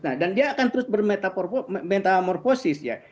nah dan dia akan terus bermetamorfosis ya